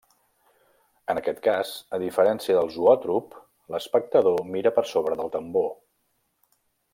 En aquest cas a diferència de zoòtrop l'espectador mira per sobre del tambor.